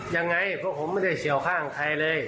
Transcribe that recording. ยังไงเพราะผมไม่ได้เฉียวข้างใครเลย